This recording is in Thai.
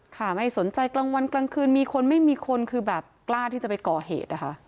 ไม่สนใจกลางวันกลางคืนมีคนไม่มีคนคือแบบกล้าที่จะไปก่อเหตุนะคะ